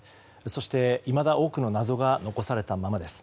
そして、いまだ多くの謎が残されたままです。